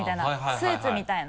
スーツみたいな。